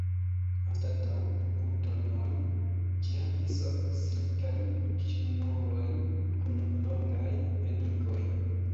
Anstataŭ butonoj ĝi havis ok silkajn ŝnurojn kun longaj penikoj.